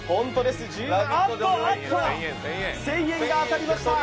あっと、１０００円が当たりました。